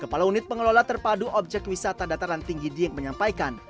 kepala unit pengelola terpadu objek wisata dataran tinggi dieng menyampaikan